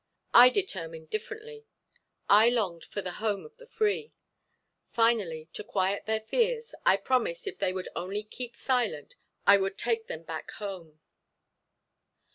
I determined differently. I longed for the home of the free. Finally, to quiet their fears, I promised if they would only keep silent I would take them back home.